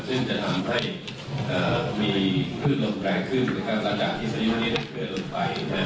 ซึ่งจะทำให้มีพืชลมแรงขึ้นต่อจากที่ประยุณนี้ได้เกิดลงไป